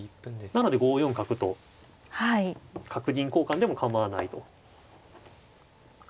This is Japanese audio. なので５四角と角銀交換でも構わないと。